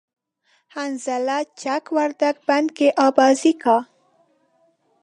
حنظله چک وردگ بند کی آبازی کا